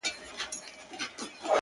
ماته په اورغوي کي ازل موجونه کښلي وه!!